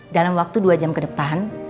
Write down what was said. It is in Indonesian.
dalam waktu dua jam ke depan